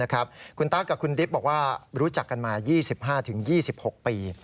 คุณตั๊กกับคุณดิบบอกว่ารู้จักกันมา๒๕๒๖ปี